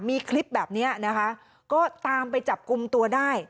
มีคลิปแบบนี้นะคะก็ตามไปจับกลุ่มตัวได้